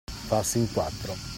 Farsi in quattro.